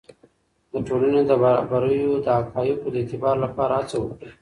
د ټولنې د برابریو د حقایقو د اعتبار لپاره هڅه وکړئ.